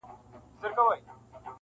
جهاني غزل دي نوی شرنګ اخیستی-